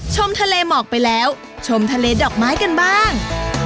ชมทะเลหมอกไปแล้วชมทะเลดอกไม้กันบ้าง